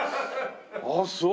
ああそう。